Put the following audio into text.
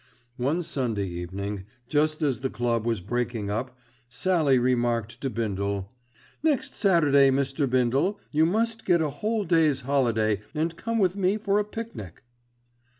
One Sunday evening, just as the Club was breaking up, Sallie remarked to Bindle, "Next Saturday, Mr. Bindle, you must get a whole day's holiday and come with me for a pic nic."